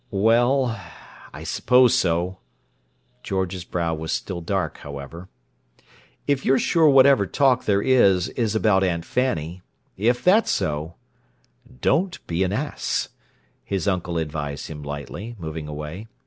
"Well—I suppose so." George's brow was still dark, however. "If you're sure whatever talk there is, is about Aunt Fanny. If that's so—" "Don't be an ass," his uncle advised him lightly, moving away.